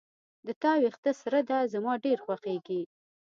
د تا وېښته سره ده زما ډیر خوښیږي